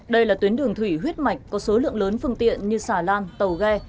đây là tuyến đường thủy huyết mạch có số lượng lớn phương tiện như xà lan tàu ghe